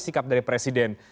sikap dari presiden